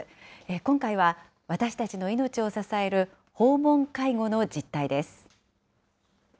今回は私たちの命を支える訪問介護の実態です。